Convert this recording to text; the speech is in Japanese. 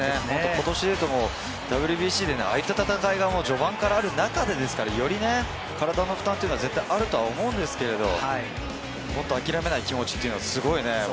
今年でいうとＷＢＣで、ああいった戦いが序盤である中ですからね、体の負担は絶対あると思うんですけれども、ホント諦めない気持ちというのはすごいですね。